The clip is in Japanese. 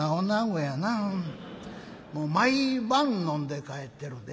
毎晩飲んで帰ってるで。